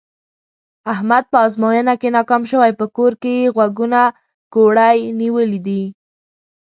احمد په ازموینه کې ناکام شوی، په کور کې یې غوږونه کوړی نیولي دي.